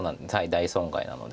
大損害なので。